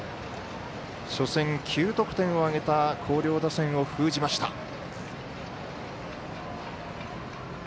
初戦９得点を挙げた広陵打線を封じました。